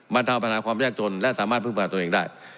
มันเท่าปัญหาความแยกจนและสามารถฟึกภาคตัวเองได้